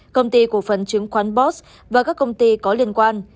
công ty cổ phân chứng khoán boss và các công ty có liên quan